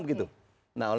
bedanya apa prof